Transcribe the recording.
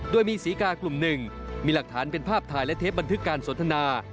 โดยมีศรีกากลุ่มหนึ่งมีหลักฐานเป็นภาพถ่ายและเทปบันทึกการสนทนา